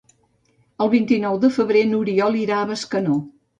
El vint-i-nou de febrer n'Oriol irà a Bescanó.